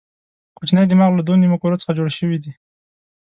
کوچنی دماغ له دوو نیمو کرو څخه جوړ شوی دی.